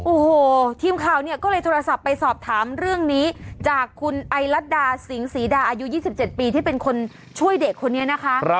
โอ้โหทีมข่าวเนี่ยก็เลยโทรศัพท์ไปสอบถามเรื่องนี้จากคุณไอลัดดาสิงศรีดาอายุ๒๗ปีที่เป็นคนช่วยเด็กคนนี้นะคะ